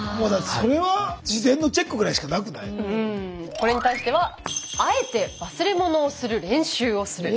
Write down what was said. これに対しては「あえて忘れ物をする練習をする」。